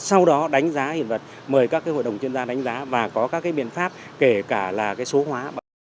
sau đó đánh giá hiện vật mời các hội đồng chuyên gia đánh giá và có các biện pháp kể cả là số hóa